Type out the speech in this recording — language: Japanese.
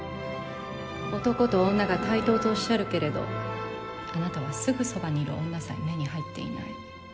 男と女が対等とおっしゃるけれどあなたはすぐそばにいる女さえ目に入っていない。